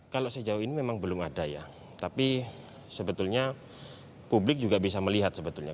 kalau sejauh ini memang belum ada ya tapi sebetulnya publik juga bisa melihat sebetulnya